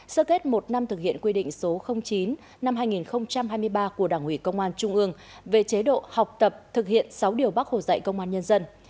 sơ kết một năm thực hiện quy định số chín năm hai nghìn hai mươi ba của đảng ủy công an trung ương về chế độ học tập thực hiện sáu điều bác hồ dạy công an nhân dân